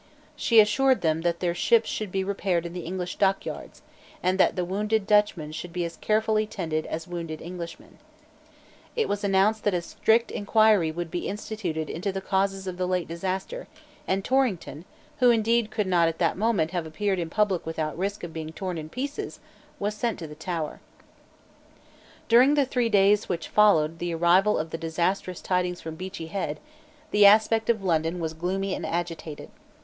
She assured them that their ships should be repaired in the English dockyards, and that the wounded Dutchmen should be as carefully tended as wounded Englishmen. It was announced that a strict inquiry would be instituted into the causes of the late disaster; and Torrington, who indeed could not at that moment have appeared in public without risk of being torn in pieces, was sent to the Tower, During the three days which followed the arrival of the disastrous tidings from Beachy Head the aspect of London was gloomy and agitated.